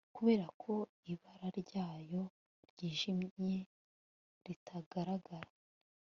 Kuberako ibaba ryayo ryijimyeritagaragara